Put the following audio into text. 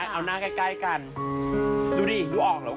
แยกยากมาก